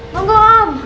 tengok dong om